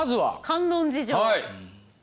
観音寺城。